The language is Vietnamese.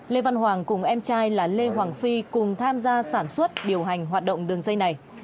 lê văn hoàng cùng em trai là lê hoàng phi cùng tham gia sản xuất điều hành hoạt động đường dây này